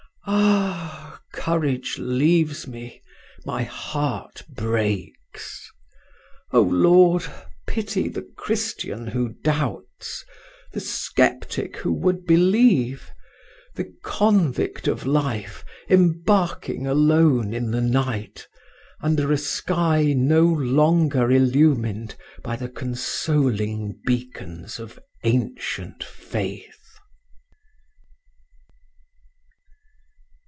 Ah! courage leaves me, my heart breaks! O Lord, pity the Christian who doubts, the sceptic who would believe, the convict of life embarking alone in the night, under a sky no longer illumined by the consoling beacons of ancient faith."